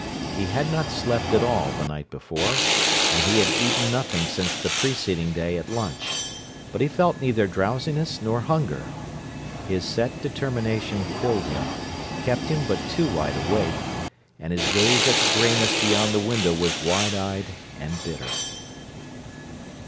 He had not slept at all, the night before, and he had eaten nothing since the preceding day at lunch, but he felt neither drowsiness nor hunger. His set determination filled him, kept him but too wide awake, and his gaze at the grayness beyond the window was wide eyed and bitter.